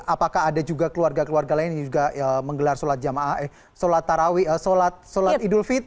apakah ada juga keluarga keluarga lain yang menggelar sholat idul fitri di rumah masing masing